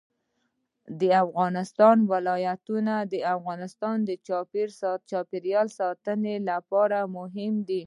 د افغانستان ولايتونه د افغانستان د چاپیریال ساتنې لپاره مهم دي.